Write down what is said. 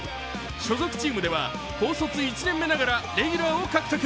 所属チームでは高卒１年目ながらレギュラーを獲得。